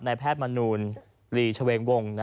แพทย์มนูลลีชเวงวง